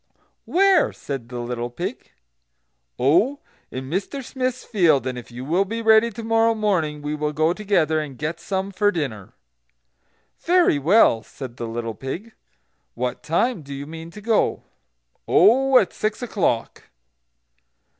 "Where?" said the little pig. "Oh, in Mr Smith's field, and if you will be ready to morrow morning we will go together, and get some for dinner." "Very well," said the little pig. "What time do you mean to go?" "Oh, at six o'clock."